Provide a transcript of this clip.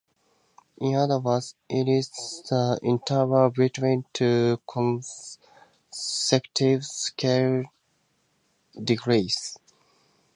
In other words, it is the interval between two consecutive scale degrees.